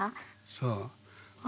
そう。